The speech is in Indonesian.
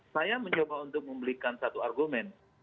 saya mencoba untuk membelikan satu argumen